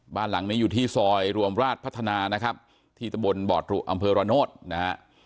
บ้านหลังนี้อยู่ที่ซอยรวมราชพัฒนานะครับที่ตะบนบ่อตรุอำเภอระโนธนะฮะ